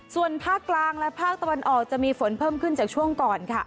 ส่วนภาคกลางและภาคตะวันออกจะมีฝนเพิ่มขึ้นจากช่วงก่อนค่ะ